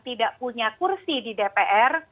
tidak punya kursi di dpr